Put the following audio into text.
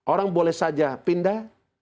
orang boleh saja pindah